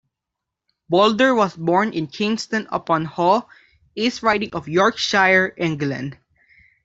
Bolder was born in Kingston upon Hull, East Riding of Yorkshire, England.